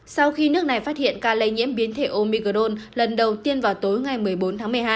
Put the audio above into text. sau khi nước này phát hiện ca lây nhiễm biến thể omicron lần đầu tiên vào tối ngày một mươi bốn tháng một mươi hai